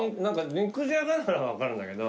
肉じゃがなら分かるんだけど。